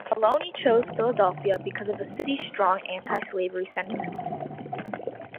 Mullowny chose Philadelphia because of the city's strong anti-slavery sentiments.